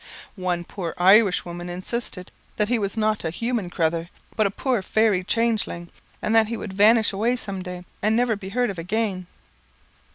One poor Irishwoman insisted "that he was not a human crathur, but a poor fairy changeling, and that he would vanish away some day, and never be heard of again."